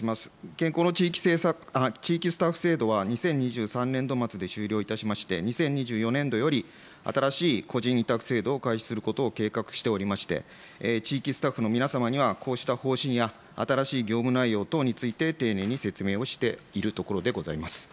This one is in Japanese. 現行の地域スタッフ制度は、２０２３年度末で終了いたしまして、２０２４年度より、新しい個人委託制度を開始することを計画しておりまして、地域スタッフの皆様には、こうした方針や、新しい業務内容等について、丁寧に説明をしているところでございます。